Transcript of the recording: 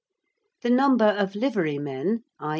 The number of livery men, i.